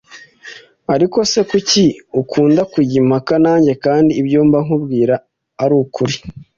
ariko se kuki ukunda kujya impaka najye kandi ibyo mba nkubwira arukuri